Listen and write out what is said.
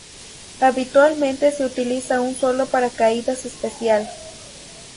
Habitualmente se utiliza un sólo paracaídas especial.